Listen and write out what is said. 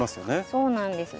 そうなんです。